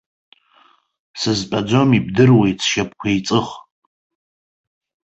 Сызтәаӡом, ибдыруеит, сшьапқәа еиҵых.